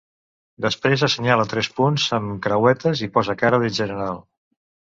Després assenyala tres punts amb creuetes i posa cara de general.